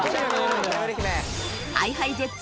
ＨｉＨｉＪｅｔｓ